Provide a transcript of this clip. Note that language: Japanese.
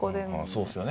そうですよね。